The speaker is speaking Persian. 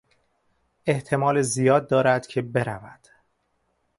احتمال زیاد دارد که برود.